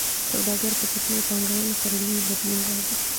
سوداګر په کوچنیو پانګونو سره لوی بدلون راوړي.